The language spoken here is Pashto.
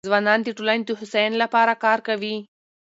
ځوانان د ټولنې د هوساینې لپاره کار کوي.